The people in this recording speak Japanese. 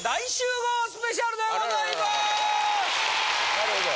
なるほど。